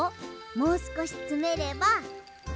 もうすこしつめれば。